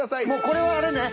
これはあれね。